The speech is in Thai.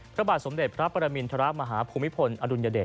พระบาทสมเด็จพระประมินทะละระมหาภูมิพลอรุณยเดช